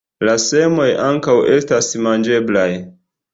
La semoj ankaŭ estas manĝeblaj.